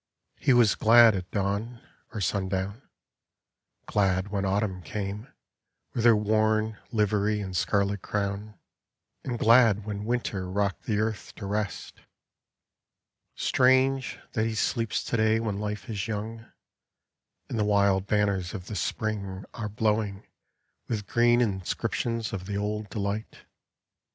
He was glad At dawn or sundown; glad when Autumn came With her worn livery and scarlet crown. And glad when Winter rocked the earth to rest. Strange that he sleeps to day when Life is young, And the wild banners of the Spring are blowing With green inscriptions of the old delight."